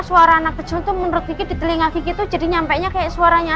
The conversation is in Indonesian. suara anak kecil tuh menurut di telinga kiki itu jadi nyampe nya kayak suaranya